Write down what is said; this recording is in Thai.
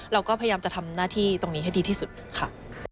เราก็พยายามจะทำหน้าที่ตรงนี้ให้ดีที่สุดค่ะ